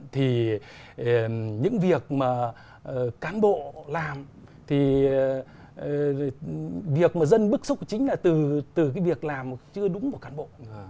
thì những việc mà cán bộ làm thì việc mà dân bức xúc chính là từ cái việc làm chưa đúng của cán bộ